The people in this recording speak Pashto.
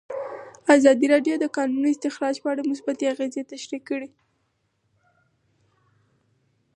ازادي راډیو د د کانونو استخراج په اړه مثبت اغېزې تشریح کړي.